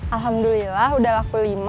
alhamdulillah udah laku lima